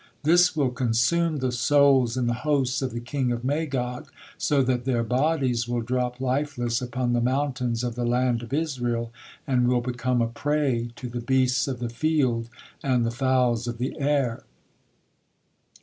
This will consume the souls in the hosts of the king of Magog, so that their bodies will drop lifeless upon the mountains of the land of Israel, and will become a prey to the beasts of the field and the fowls of the air.